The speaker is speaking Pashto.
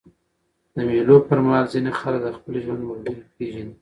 د مېلو پر مهال ځيني خلک د خپل ژوند ملګری پېژني.